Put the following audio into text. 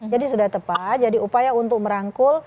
jadi sudah tepat jadi upaya untuk merangkul